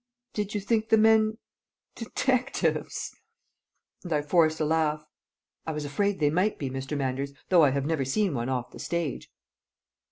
"Did you think the men detectives?" And I forced a laugh. "I was afraid they might be, Mr. Manders, though I have never seen one off the stage."